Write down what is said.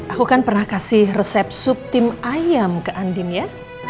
aku kan pernah kasih resep sup tim ayam ke andina